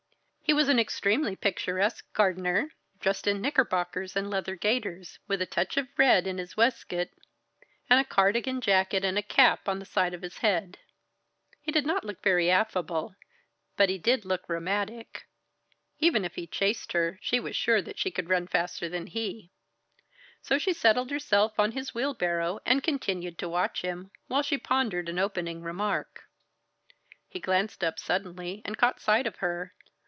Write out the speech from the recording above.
He was an extremely picturesque gardener, dressed in knickerbockers and leather gaiters, with a touch of red in his waistcoat, and a cardigan jacket and a cap on the side of his head. He did not look very affable; but he did look rheumatic even if he chased her, she was sure that she could run faster than he. So she settled herself on his wheelbarrow and continued to watch him, while she pondered an opening remark. He glanced up suddenly and caught sight of her.